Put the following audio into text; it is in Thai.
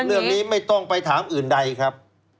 เรื่องนี้ไม่ต้องไปถามอื่นใดครับ